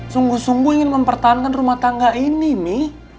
sungguh sungguh ingin mempertahankan rumah tangga ini mi